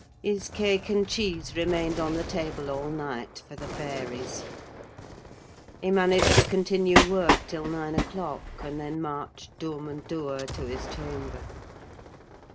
His cake and cheese remained on the table all night for the fairies. He managed to continue work till nine o'clock, and then marched dumb and dour to his chamber.